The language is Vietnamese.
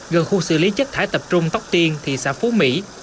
gần khu xử lý chất thải tập trung tóc tiên thị xã phú mỹ